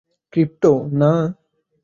Crypto, না!